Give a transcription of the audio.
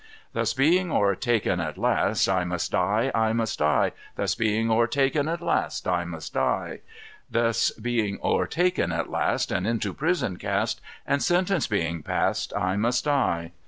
"Thus being o'ertaken at last, I must die, I must die, Thus being o'ertaken at last, I must die; Thus being o'ertaken at last, and into prison cast, And sentence being pass'd, I must die.